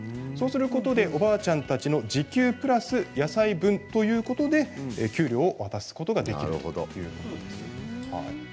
そうすることでおばあちゃんたちの時給プラス野菜分ということでお給料を渡すことができるということなんです。